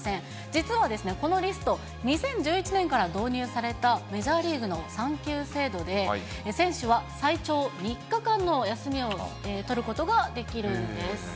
実は、このリスト、２０１１年から導入されたメジャーリーグの産休制度で、選手は最長３日間の休みを取ることができるんです。